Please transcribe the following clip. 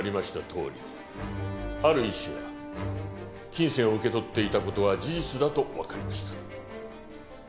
とおりある医師が金銭を受け取っていた事は事実だとわかりました。